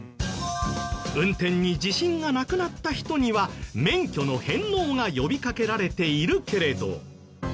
運転に自信がなくなった人には免許の返納が呼びかけられているけれど。